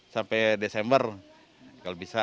sampai desember kalau bisa